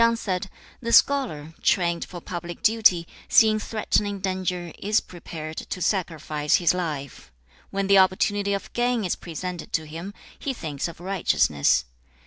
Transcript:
Tsze chang said, 'The scholar, trained for public duty, seeing threatening danger, is prepared to sacrifice his life. When the opportunity of gain is presented to him, he thinks of righteousness.